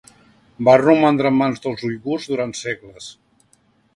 Va romandre en mans dels uigurs durant segles.